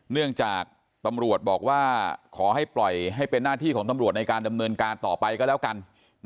เนื่องจากตำรวจบอกว่าขอให้ปล่อยให้เป็นหน้าที่ของตำรวจในการดำเนินการต่อไปก็แล้วกัน